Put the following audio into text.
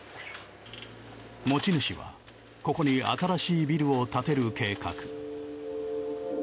持ち主は、ここに新しいビルを建てる計画。